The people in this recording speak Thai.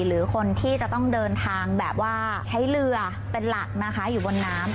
หรือคนที่จะต้องเดินทางแบบว่าใช้เรือเป็นหลักนะคะอยู่บนน้ำ